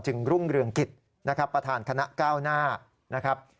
รุ่งเรืองกิจนะครับประธานคณะก้าวหน้านะครับ